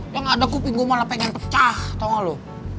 yang ada kuping gue malah pengen pecah tau lo